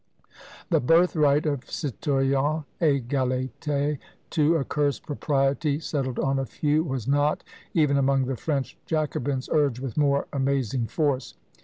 "The birthright" of citoyen Egalité to "a cursed propriety settled on a few," was not, even among the French Jacobins, urged with more amazing force.